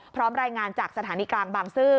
พร้อมรายงานจากสถานีกลางบางซื่อ